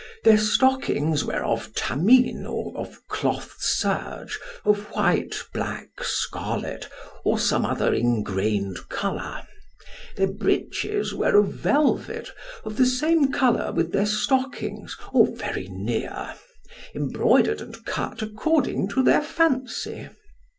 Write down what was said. Their stockings were of tamine or of cloth serge, of white, black, scarlet, or some other ingrained colour. Their breeches were of velvet, of the same colour with their stockings, or very near, embroidered and cut according to their fancy.